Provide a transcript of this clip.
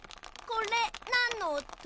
これなんのおと？